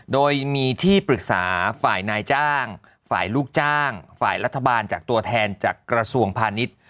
โดยมีที่ปรึกษาฝ่ายนายจ้างฝ่ายลูกจ้างฝ่ายรัฐบาลจากตัวแทนจากกระทรวงพาณิชย์